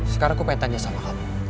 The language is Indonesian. sekarang aku pengen tanya sama kamu